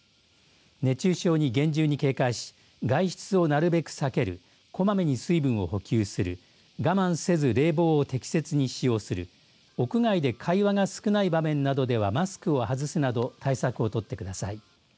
熱中症に厳重に警戒し外出をなるべく避ける、こまめに水分を補給する、我慢せず冷房を適切に使用する、屋外で会話が少ない場面などではマスクを外すなど対策を取ってください。